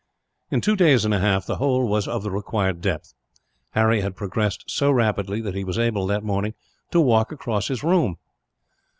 In two days and a half, the hole was of the required depth. Harry had progressed so rapidly that he was able, that morning, to walk across his room.